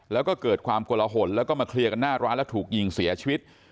แล้วก็เกิดความกลหนแล้วก็มาเคลียร์กันหน้าร้านแล้วถูกยิงเสียชีวิต